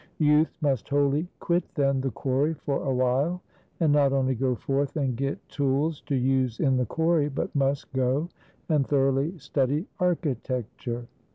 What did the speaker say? Youth must wholly quit, then, the quarry, for awhile; and not only go forth, and get tools to use in the quarry, but must go and thoroughly study architecture.